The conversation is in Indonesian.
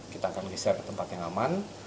kita akan geser ke tempat yang aman